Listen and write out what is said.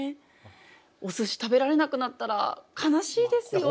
お寿司食べられなくなったら悲しいですよね。